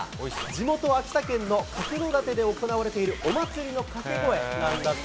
地元、秋田県の角館で行われているお祭りの掛け声。